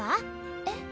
えっ？